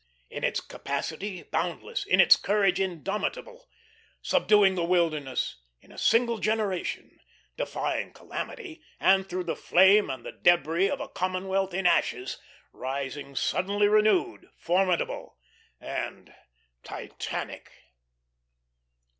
In its capacity boundless, in its courage indomitable; subduing the wilderness in a single generation, defying calamity, and through the flame and the debris of a commonwealth in ashes, rising suddenly renewed, formidable, and Titanic.